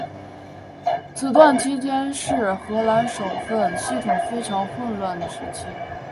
这段期间是荷兰省分系统非常混乱的时期。